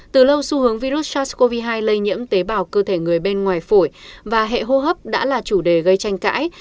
từ lâu xu hướng virus sars cov hai lây nhiễm tế bào cơ thể người bên ngoài phổi và hệ hô hấp đã là chủ đề gây tranh cãi